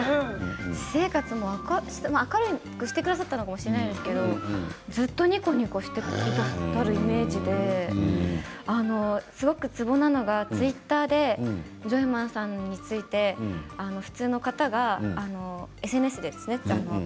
私生活も明るくしてくださったのかもしれませんけれども、ずっとにこにこしてくださるイメージですごくツボなのがツイッターでジョイマンさんについて普通の方がＳＮＳですね。